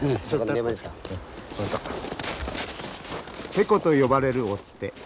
勢子と呼ばれる追っ手。